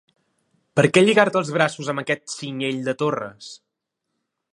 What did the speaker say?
Per què lligar-te els braços amb aquest cinyell de torres?